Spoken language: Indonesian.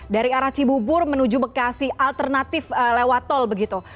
dari arah cibubur menuju bekasi alternatif lewat tol begitu